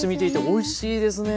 おいしいですよね。